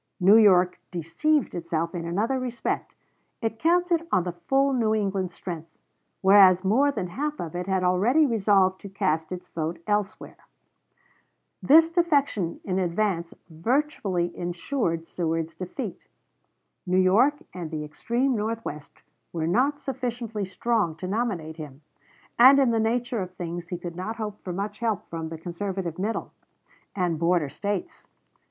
New York deceived itself in another respect: it counted on the full New England strength, whereas more than half of it had already resolved to cast its vote elsewhere. This defection in advance virtually insured Seward's defeat. New York and the extreme North west were not sufficiently strong to nominate him, and in the nature of things he could not hope for much help from the conservative middle and border States.